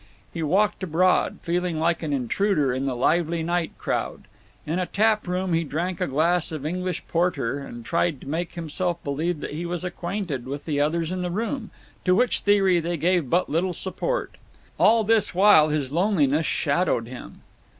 He walked abroad, feeling like an intruder on the lively night crowd; in a tap room he drank a glass of English porter and tried to make himself believe that he was acquainted with the others in the room, to which theory they gave but little support. All this while his loneliness shadowed him.